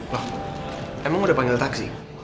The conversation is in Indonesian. loh emang udah panggil taksi